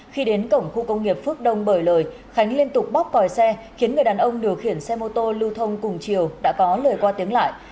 khi đến cổng khu công nghiệp phước đông bởi lời khánh liên tục bóp còi xe khiến người đàn ông điều khiển xe mô tô lưu thông cùng chiều đã có lời qua tiếng lại